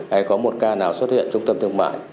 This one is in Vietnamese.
hay có một ca nào xuất hiện trung tâm thương mại